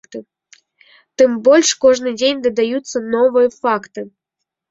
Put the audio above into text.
Тым больш, кожны дзень дадаюцца новыя факты.